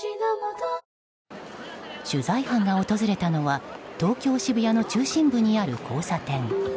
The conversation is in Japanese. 取材班が訪れたのは東京・渋谷の中心部にある交差点。